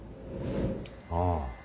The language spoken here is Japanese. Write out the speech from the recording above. ああ。